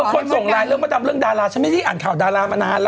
วันนี้คนส่งลายมาตามเรื่องดาราฉันไม่ได้อ่านข่าวดารามานานแล้ว